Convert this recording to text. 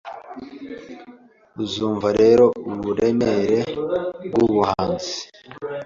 Uzumva rero uburemere bwubuhanzi